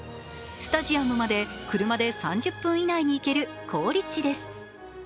スタジアムまで車で３０分以内に行ける好立地です。